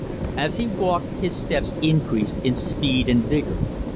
As he walked, his steps increased in speed and vigor.